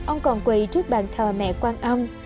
ông còn quỳ trước bàn thờ mẹ quan ông